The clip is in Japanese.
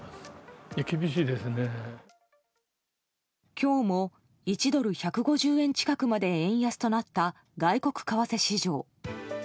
今日も１ドル＝１５０円近くまで円安となった外国為替市場。